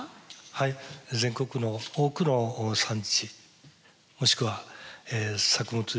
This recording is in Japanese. はい全国の多くの産地もしくは作物ですね